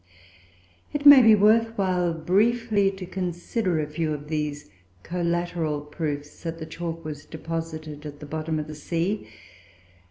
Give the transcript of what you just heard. It may be worth while briefly to consider a few of these collateral proofs that the chalk was deposited at the bottom of the sea.